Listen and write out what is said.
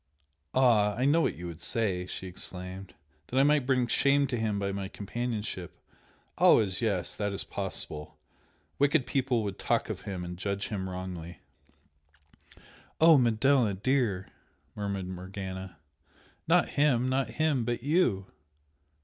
"Ah? I know what you would say!" she exclaimed, "That I might bring shame to him by my companionship always yes! that is possible! wicked people would talk of him and judge him wrongly " "Oh, Manella, dear!" murmured Morgana "Not him not him but YOU!"